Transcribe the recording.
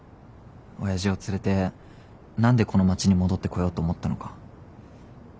親父を連れて何でこの町に戻ってこようと思ったのか。